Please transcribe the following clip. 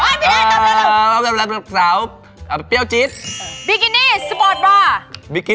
อ้าวไม่ได้จำแล้วสาวเปรี้ยวจี๊ดบิกินี่สปอร์ตบาร์บิกินี่